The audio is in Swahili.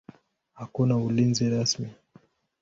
Hakuna ulinzi rasmi.